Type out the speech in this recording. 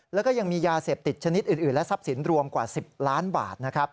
แล้วก็ยังมียาเสพติดชนิดอื่นและทรัพย์สินรวมกว่า๑๐ล้านบาทนะครับ